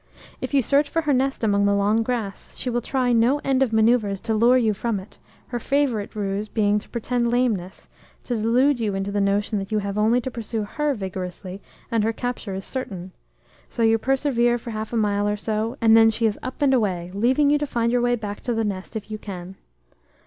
If you search for her nest amongst the long grass, she will try no end of manoeuvres to lure you from it, her favourite ruse being to pretend lameness, to delude you into the notion that you have only to pursue her vigorously, and her capture is certain; so you persevere for half a mile or so, and then she is up and away, leaving you to find your way back to the nest if you can.